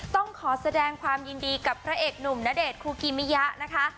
ต้องขอแสดงความยินดีกับพระเอกหนุ่มณเดชนคูกิมิยะนะคะ